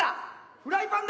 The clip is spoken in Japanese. フライパンだ！